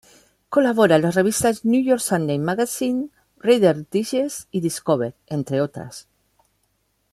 Colabora en las revistas "New York Sunday Magazine", "Reader´s Digest" y "Discover", entre otras.